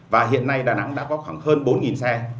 và hiện nay đà nẵng đã có khoảng hơn bốn xe